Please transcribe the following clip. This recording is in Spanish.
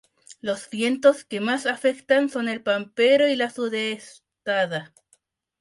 Los vientos que más afectan son el pampero y la sudestada.